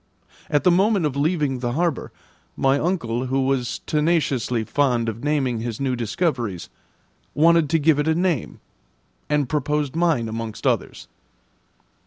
At the moment of leaving the harbour, my uncle, who was tenaciously fond of naming his new discoveries, wanted to give it a name, and proposed mine amongst others.